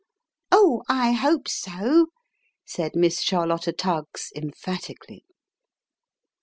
" Oh ! I hope so," said Miss Charlotta Tuggs, emphatically.